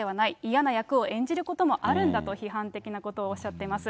嫌な役を演じることもあるんだと批判的なことをおっしゃっています。